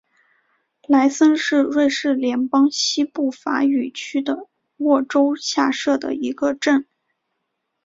莱森是瑞士联邦西部法语区的沃州下设的一个镇。